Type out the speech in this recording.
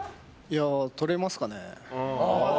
取れますかね。